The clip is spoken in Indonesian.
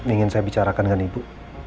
ingin saya bicarakan dengan ibu